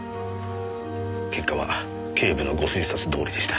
結果は警部のご推察どおりでした。